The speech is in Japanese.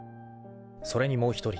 ［それにもう一人］